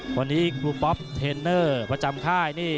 วันนี้ครูป๊อปเทนเนอร์ประจำค่ายนี่